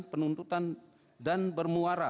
penuntutan dan bermuara